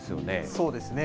そうですね。